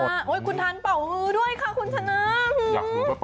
ใช่ครับ